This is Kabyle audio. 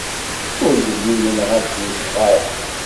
Ur yelli yenɣa-tt weẓɣal.